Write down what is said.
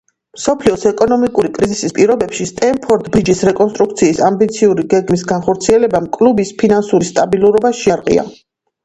მსოფლიოს ეკონომიკური კრიზისის პირობებში სტემფორდ ბრიჯის რეკონსტრუქციის ამბიციური გეგმის განხორციელებამ კლუბის ფინანსური სტაბილურობა შეარყია.